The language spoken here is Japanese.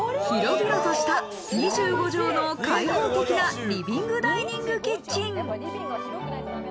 広々とした２５帖の開放的なリビングダイニングキッチン。